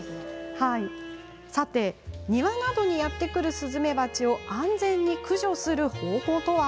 庭などにやって来るスズメバチを安全に駆除する方法とは？